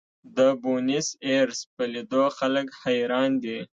د بونیس ایرس په لیدو خلک حیران دي.